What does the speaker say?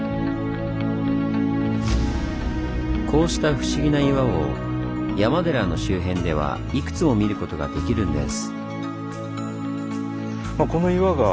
こうした不思議な岩を山寺の周辺ではいくつも見ることができるんです。